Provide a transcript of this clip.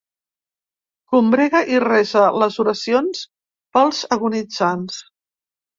Combrega i resa les oracions pels agonitzants.